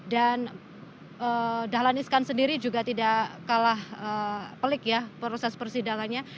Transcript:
dan dahlan iskan sendiri juga tidak kalah pelik ya proses persidangannya